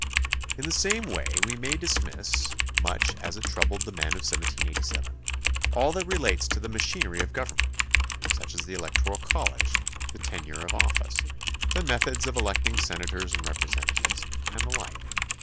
In the same way we may dismiss, much as it troubled the men of 1787, all that relates to the machinery of government, such as the electoral college, the tenure of office, the methods of electing senators and repre sentatives, and the like.